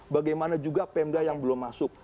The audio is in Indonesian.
bagaimana juga pemda yang belum masuk